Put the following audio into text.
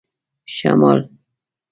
شمال